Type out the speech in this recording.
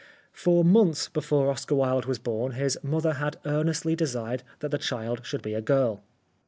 For months before Oscar Wilde was born his mother had earnestly desired that the child should be a girl.